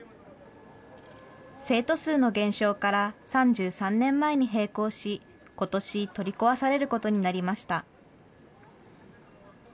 生徒数の減少から３３年前に閉校し、ことし、取り壊されることになりました。